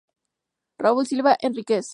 Raúl Silva Henríquez.